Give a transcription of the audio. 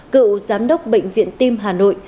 cựu giám đốc bệnh viện tim hà nội